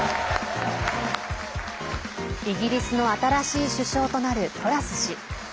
イギリスの新しい首相となるトラス氏。